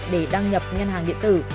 để đăng nhập ngân hàng điện tử